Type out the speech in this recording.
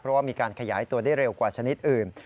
เพราะว่ามีการขยายตัวได้เร็วกว่าชนิดอื่น